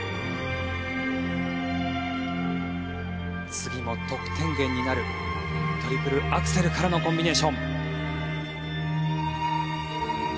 次も得点源になるトリプルアクセルからのコンビネーション。